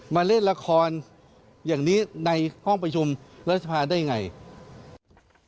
มาเล่นละครอย่างนี้ในห้องประชุมแล้วจะพาได้อย่างไร